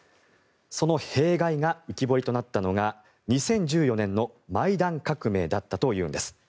その弊害が浮き彫りとなったのが２０１４年のマイダン革命だったというんです。